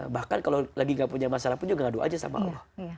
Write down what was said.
bahkan kalau lagi gak punya masalah pun juga ngadu aja sama allah